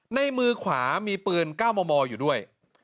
ในมือขวามีปืน๙มมอยู่ด้วย